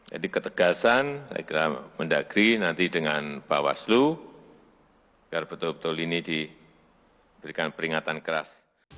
jadi ketegasan saya kira mendagri nanti dengan bawaslu biar betul betul ini diberikan peringatan keras